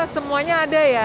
semuanya ada ya